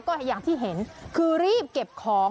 ก็อย่างที่เห็นคือรีบเก็บของ